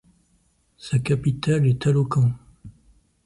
Sa capitale est Taloqan.